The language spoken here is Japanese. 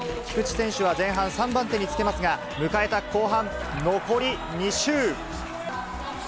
菊池選手は前半、３番手につけますが、迎えた後半、残り２周。